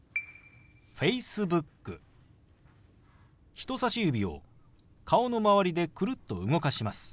人さし指を顔の周りでくるっと動かします。